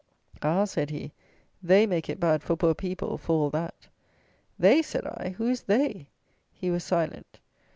"Ah!" said he, "they make it bad for poor people, for all that." "They?" said I, "who is they?" He was silent.